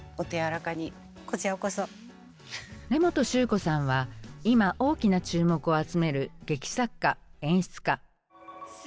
根本宗子さんは今大きな注目を集める劇作家・演出家。